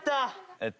えっと。